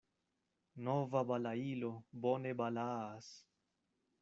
Nova balailo bone balaas.